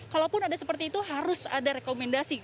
kalaupun ada seperti itu harus ada rekomendasi